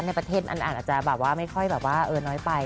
ในประเทศอาจจะไม่ค่อยน้อยไป